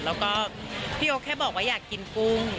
แล้วก็พี่โอ๊คแค่บอกว่าอยากกินกุ้ง